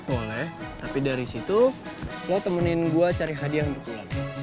boleh tapi dari situ lo temenin gue cari hadiah untuk pulang